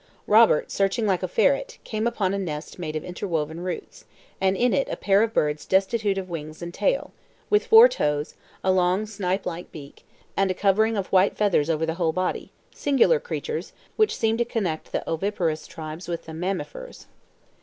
Robert, searching like a ferret, came upon a nest made of interwoven roots, and in it a pair of birds destitute of wings and tail, with four toes, a long snipe like beak, and a covering of white feathers over the whole body, singular creatures, which seemed to connect the oviparous tribes with the mammifers.